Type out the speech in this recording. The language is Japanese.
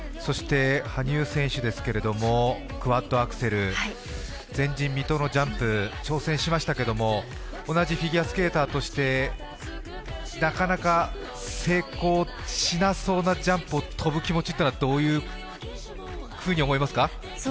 羽生選手ですけれどもクワッドアクセル前人未到のジャンプ挑戦しましたけども同じフィギュアスケーターとしてなかなか成功しなそうなジャンプを跳ぶ気持ちというのはどういうふうに思いますか？